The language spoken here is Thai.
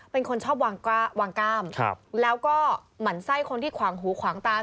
เป็นคนชอบวางก้ามแล้วก็หมั่นไส้คนที่ขวางหูขวางตา